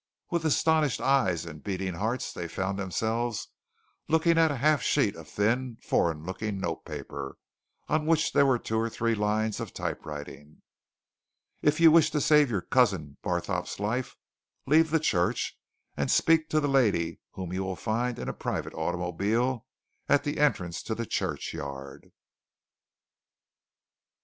With astonished eyes and beating hearts they found themselves looking at a half sheet of thin, foreign looking notepaper, on which were two or three lines of typewriting: "If you wish to save your cousin Barthorpe's life, leave the church and speak to the lady whom you will find in a private automobile at the entrance to the churchyard."